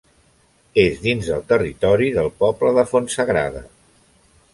És dins del territori del poble de Fontsagrada.